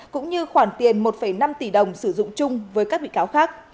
cũng như khoản tiền một năm tỷ đồng sử dụng chung với các bị cáo khác